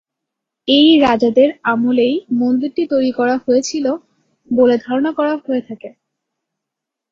এই রাজাদের আমলেই মন্দিরটি তৈরি করা হয়েছিল বলে ধারণা করা হয়ে থাকে।